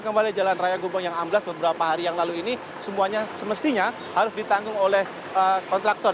yang memiliki jalan raya gombang yang ambil beberapa hari yang lalu ini semuanya semestinya harus ditanggung oleh kontraktor